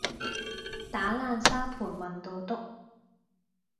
打爛沙盤問到篤